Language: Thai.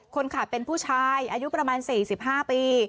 คนขับเป็นผู้ชายอายุประมาณ๔๕ปี